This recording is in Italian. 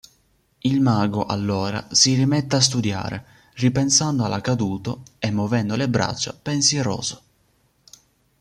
Il mago allora si rimette a studiare, ripensando all'accaduto e muovendo le braccia pensieroso.